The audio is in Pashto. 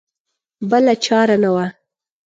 بله چاره نه وه.